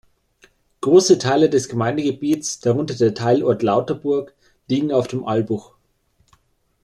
Große Teile des Gemeindegebietes, darunter der Teilort Lauterburg, liegen auf dem Albuch.